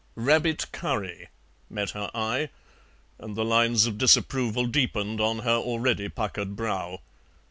"Rabbit curry," met her eye, and the lines of disapproval deepened on her already puckered brow.